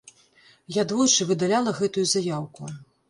Я двойчы выдаляла гэтую заяўку.